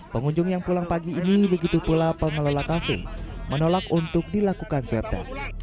pengunjung yang pulang pagi ini begitu pula pengelola kafe menolak untuk dilakukan swab test